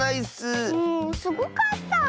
うんすごかった！